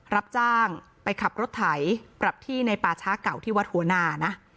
รับจ้างไปขับรถไถปรับที่ในป่าช้าเก่าที่วัดหัวนานะ